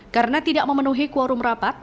karena tidak memenuhi kuorum rapat